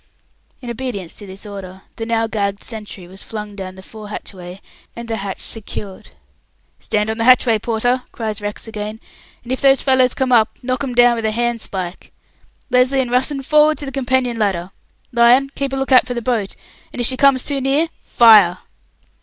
In obedience to this order, the now gagged sentry was flung down the fore hatchway, and the hatch secured. "Stand on the hatchway, Porter," cries Rex again; "and if those fellows come up, knock 'em down with a handspoke. Lesly and Russen, forward to the companion ladder! Lyon, keep a look out for the boat, and if she comes too near, fire!"